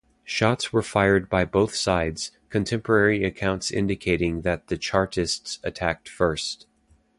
Shots were fired by both sides, contemporary accounts indicating that the Chartists attacked first.